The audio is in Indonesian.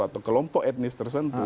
atau kelompok etnis tersentuh